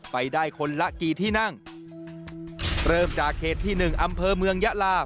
ไปได้คนละกี่ที่นั่งเริ่มจากเขตที่หนึ่งอำเภอเมืองยะลา